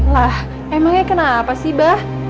lah emangnya kenapa sih bah